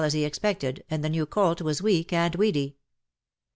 57 as he expected;, and the new colt was weak and weedy.